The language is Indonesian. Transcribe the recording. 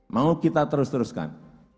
mau kita terus teruskan